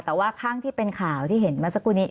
แต่ว่าข้างที่เป็นข่าวที่เห็นเมื่อสักครู่นี้